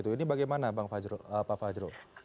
ini bagaimana pak fajro